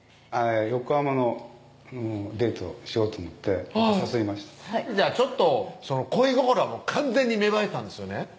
横浜のデートしようと思って誘いましたじゃあちょっと恋心は完全に芽生えたんですよね